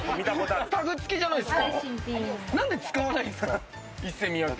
タグ付きじゃないですか。